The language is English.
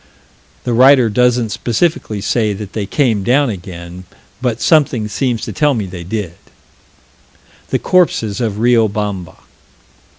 The writer doesn't specifically say that they came down again, but something seems to tell me they did. The corpses of Riobamba.